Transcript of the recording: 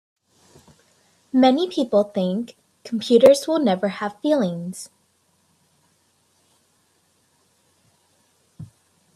Many people think computers will never have feelings.